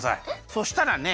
そしたらね